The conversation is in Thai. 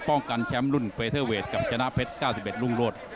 ป้องกันแชมป์รุ่นเฟเทอร์เวทกับชนะเพชร๙๑รุ่งโรศ